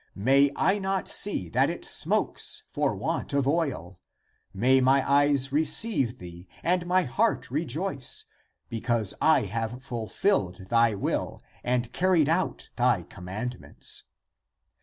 May I not see that it smokes for want of oil. May my eyes receive thee, and my heart rejoice, because I have fulfilled thy will and carried out thy commandments.